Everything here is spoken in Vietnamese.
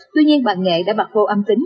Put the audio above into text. tuy nhiên bà nghệ đã bạc vô âm tính